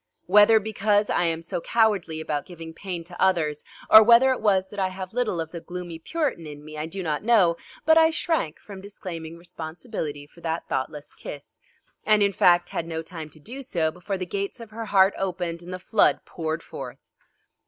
Whether because I am so cowardly about giving pain to others, or whether it was that I have little of the gloomy Puritan in me, I do not know, but I shrank from disclaiming responsibility for that thoughtless kiss, and in fact had no time to do so before the gates of her heart opened and the flood poured forth.